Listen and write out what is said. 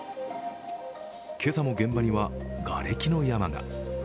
今朝も現場にはがれきの山が。